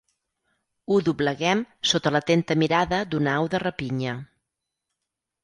Ho dobleguem sota l'atenta mirada d'una au de rapinya.